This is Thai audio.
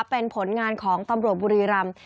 เป็นผลงานของตำรวจบุรีรำ